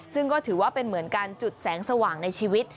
ซึ่งก็ถือว่าเป็นเหมือนการจุดแสงสว่างในชีวิต